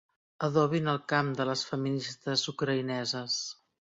Adobin el camp de les feministes ucraïneses.